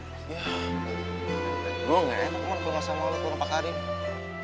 gue gak enak mon kalau gak sama lo gue gak pakarin